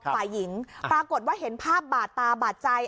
ฝ่ายหญิงปรากฏว่าเห็นภาพบาดตาบาดใจ